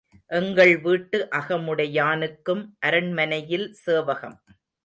எங்கள் வீட்டு அகமுடையானுக்கும் அரண்மனையில் சேவகம்.